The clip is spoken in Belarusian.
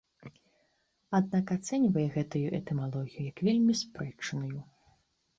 Аднак ацэньвае гэту этымалогію як вельмі спрэчную.